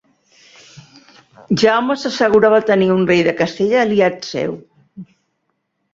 Jaume s'assegurava tenir un rei de Castella aliat seu.